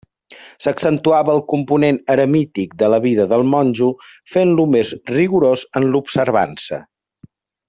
S'accentuava el component eremític de la vida del monjo, fent-lo més rigorós en l'observança.